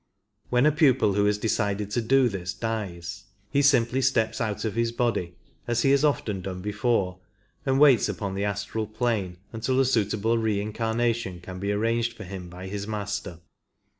When a pupil who has decided to do this dies, he simply steps out of his body, as he has often done before, and waits upon the astral plane until a suitable reincarnation can be arranged for him by his Master.